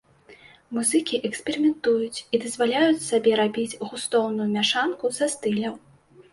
Музыкі эксперыментуюць і дазваляюць сабе рабіць густоўную мяшанку са стыляў.